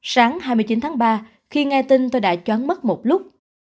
sáng hai mươi chín tháng ba khi nghe tin tôi đã chóng mất một lúc